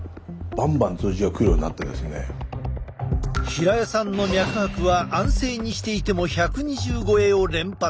平江さんの脈拍は安静にしていても１２０越えを連発。